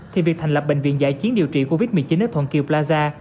thì việc thành lập bệnh viện giải chiến điều trị covid một mươi chín ở thuận kiêu plaza